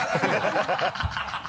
ハハハ